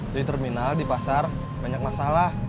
di terminal di pasar banyak masalah